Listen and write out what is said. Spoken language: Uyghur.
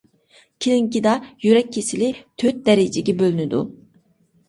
كىلىنىكىدا يۈرەك كېسىلى تۆت دەرىجىگە بۆلۈنىدۇ.